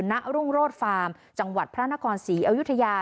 ณรุ่งโรศฟาร์มจังหวัดพระนครศรีอยุธยา